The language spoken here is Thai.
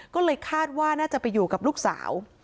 ก็เลยคาดว่าน่าจะไปอยู่กับลูกสาว